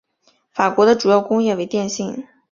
法国的主要工业为电信。